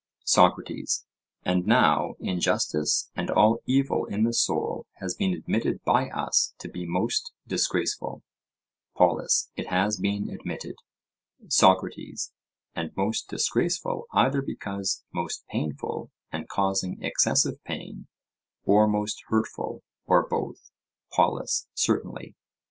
SOCRATES: And now injustice and all evil in the soul has been admitted by us to be most disgraceful? POLUS: It has been admitted. SOCRATES: And most disgraceful either because most painful and causing excessive pain, or most hurtful, or both? POLUS: Certainly.